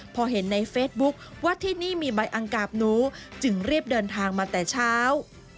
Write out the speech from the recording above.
พอเห็นในเฟซบุ๊คว่าที่นี่มีใบอังกาบหนูจึงรีบเดินทางมาแต่เช้า